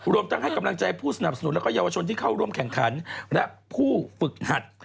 รวมทั้งให้กำลังใจผู้สนับสนุนและเยาวชนที่เข้าร่วมแข่งขันและผู้ฝึกหัด